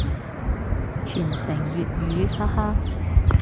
傳承粵語，哈哈